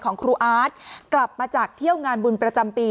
ของครูอาร์ตกลับมาจากเที่ยวงานบุญประจำปี